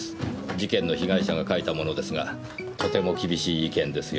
事件の被害者が書いたものですがとても厳しい意見ですよ。